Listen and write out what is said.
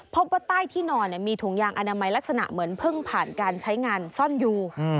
พบว่าใต้ที่นอนมีถุงยางอนามัยลักษณะเหมือนเพิ่งผ่านการใช้งานซ่อนอยู่